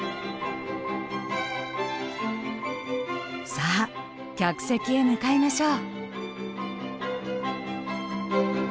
さあ客席へ向かいましょう。